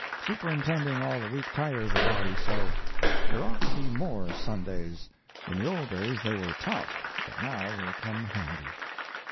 Superintending all the week tires a body so. There ought to be more Sundays. In the old days they were tough, but now they come handy.